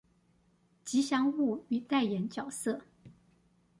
吉祥物與代言角色